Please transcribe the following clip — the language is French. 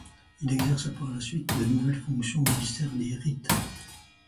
Il exerce par la suite de nouvelles fonctions au ministère des Rites.